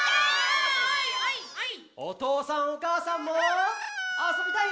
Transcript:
おとうさんおかあさんもあそびたい？